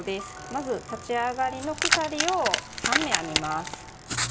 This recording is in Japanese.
まず立ち上がりの鎖を３目編みます。